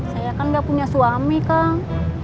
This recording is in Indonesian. saya kan gak punya suami kang